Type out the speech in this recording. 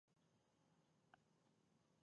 د کندهار په سپین بولدک کې کوم کانونه دي؟